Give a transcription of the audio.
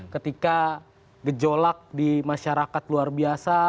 ketika gejolak di masyarakat luar biasa